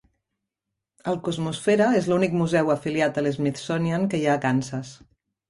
El Cosmosfera és l'únic museu afiliat al Smithsonian que hi ha a Kansas.